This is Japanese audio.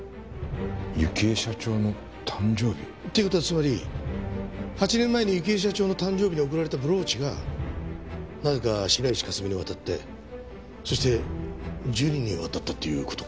幸恵社長の誕生日？ていう事はつまり８年前に幸恵社長の誕生日に贈られたブローチがなぜか白石佳澄に渡ってそして樹里に渡ったっていう事か。